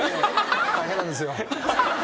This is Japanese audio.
大変なんですよ。